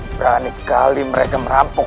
berani sekali mereka merampok